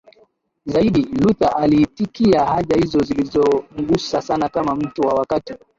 zaidi Luther aliitikia haja hizo zilizomgusa sana kama mtu wa wakati